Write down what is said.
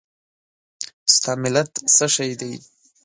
ستا ملت څه شی دی؟